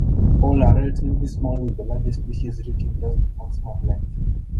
All are relatively small, with the largest species reaching just in maximum length.